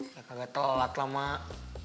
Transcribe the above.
ya kagak telat lah mak